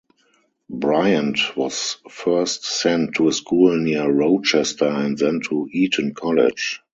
Bryant was first sent to a school near Rochester, and then to Eton College.